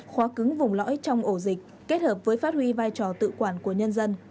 khóa cứng vùng lõi trong ổ dịch kết hợp với phát huy vai trò tự quản của nhân dân